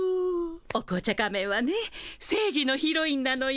お紅茶仮面はね正義のヒロインなのよ。